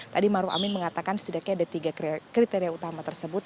tadi maruf amin mengatakan setidaknya ada tiga kriteria utama tersebut